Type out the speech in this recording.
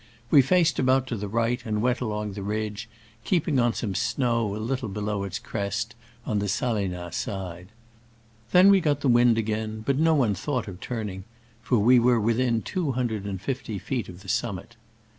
We faced about to the right and went along the ridge, keeping on some snow a little below its crest, on the Saleinoz side. Then we got the wind again, but no one thought of turning, for we were within two hun dred and fifty feet of the summit.